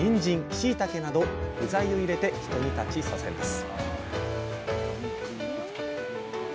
しいたけなど具材を入れて一煮立ちさせます